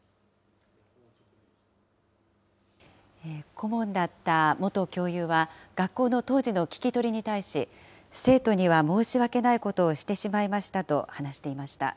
顧問だった元教諭は、学校の当時の聞き取りに対し、生徒には申し訳ないことをしてしまいましたと話していました。